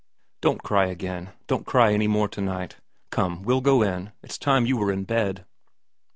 ' Don't cry again. Don't cry any more to night. Come we'll go in. It's time you were in bed.'